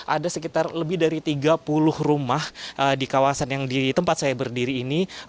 ada sekitar lebih dari tiga puluh rumah di kawasan yang di tempat saya berdiri ini